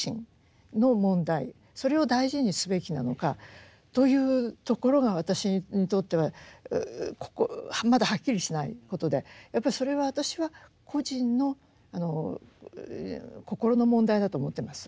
それを大事にすべきなのかというところが私にとってはここまだはっきりしないことでやっぱりそれは私は個人の心の問題だと思ってます。